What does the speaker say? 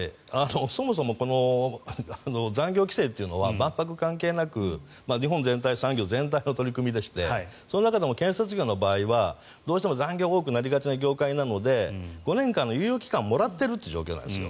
そもそも残業規制というのは万博関係なく日本全体産業全体の取り組みでしてその中でも建設業の場合はどうしても残業が多くなりがちな業界なので５年間の猶予期間をもらっている状況なんです。